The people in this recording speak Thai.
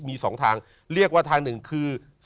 มี๒ทางเรียกว่าทางหนึ่งคือ